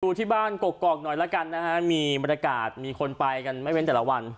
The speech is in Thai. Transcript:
ที่บ้านกกอกหน่อยละกันนะฮะมีบรรยากาศมีคนไปกันไม่เว้นแต่ละวัน